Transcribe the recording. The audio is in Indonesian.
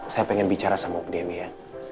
saya pengen bicara sama bu dewi ya